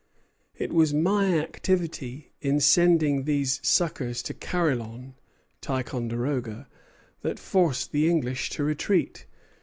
"It was my activity in sending these succors to Carillon [Ticonderoga] that forced the English to retreat.